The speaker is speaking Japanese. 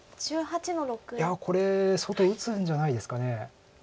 いやこれ外打つんじゃないですか。